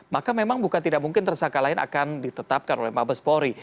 maka memang bukan tidak mungkin tersangka lain akan ditetapkan oleh mabes polri